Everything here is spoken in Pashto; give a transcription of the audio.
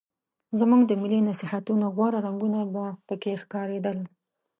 زموږ د ملي نصیحتونو غوره رنګونه به پکې ښکارېدل.